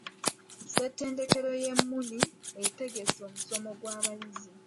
Ssettendekero y'e Muni etegese omusomo gw'abayizi.